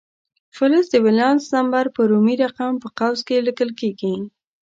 فلز د ولانس نمبر په رومي رقم په قوس کې لیکل کیږي.